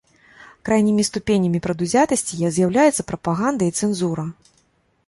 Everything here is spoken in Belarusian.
Крайнімі ступенямі прадузятасці з'яўляюцца прапаганда і цэнзура.